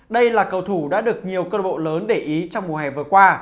đây là cầu thủ đã được nhiều cơ bộ lớn để ý trong mùa hè vừa qua